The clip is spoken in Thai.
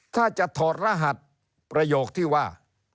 ถ้าจะถอดรหัสประโยคที่ว่า